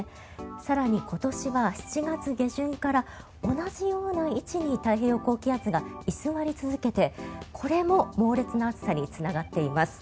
更に、今年は７月下旬から同じような位置に太平洋高気圧が居座り続けてこれも猛烈な暑さにつながっています。